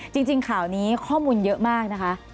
จริงข่าวนี้ข้อมูลเยอะมากนะคะ